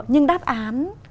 nhưng đáp án